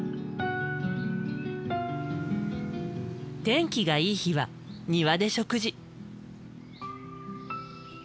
天気がいい日は庭で食事。